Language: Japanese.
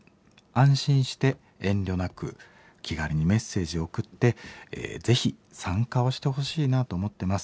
安心して遠慮なく気軽にメッセージを送ってぜひ参加をしてほしいなと思ってます。